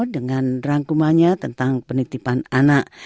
dengan rangkumannya tentang penitipan anak